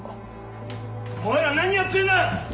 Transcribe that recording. お前ら何やってんだ！